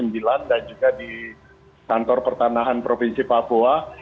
dan juga di kantor pertanahan provinsi papua